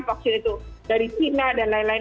vaksin itu dari china dan lain lain